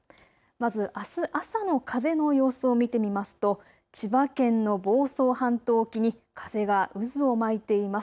まずあす朝の風の様子を見てみますと千葉県の房総半島沖に風が渦を巻いています。